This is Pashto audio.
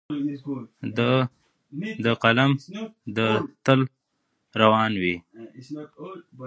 د ده قلم دې تل روان وي.